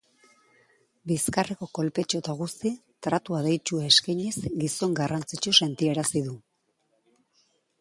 Bizkarreko kolpetxo eta guzti, tratu adeitsua eskainiz, gizon garrantzitsu sentiarazi du.